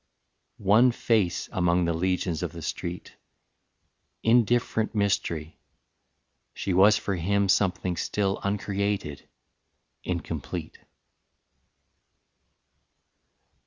One face among the legions of the street, Indifferent mystery, she was for him Something still uncreated, incomplete.